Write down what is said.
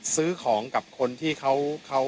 ซื้อของกับคนที่เขา